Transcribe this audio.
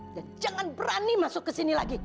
dan jangan berani masuk kesini lagi